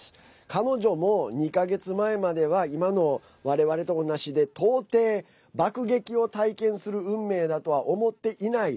彼女も２か月前までは今のわれわれと同じで到底、爆撃を体験する運命だとは思っていない。